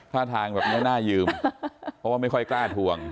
ท่าทางแบบนี้น่ายืมเพราะว่าไม่ค่อยกล้าทวง